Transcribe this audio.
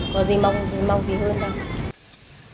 có gì mong thì mong gì hơn đâu